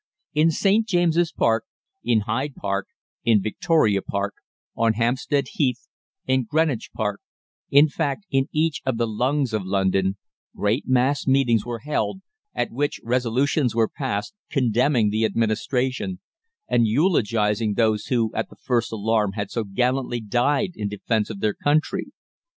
In St. James's Park, in Hyde Park, in Victoria Park, on Hampstead Heath, in Greenwich Park in fact, in each of the "lungs of London," great mass meetings were held, at which resolutions were passed condemning the Administration and eulogising those who, at the first alarm, had so gallantly died in defence of their country.